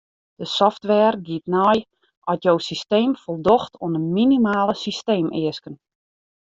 De software giet nei oft jo systeem foldocht oan de minimale systeemeasken.